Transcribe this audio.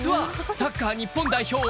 サッカー日本代表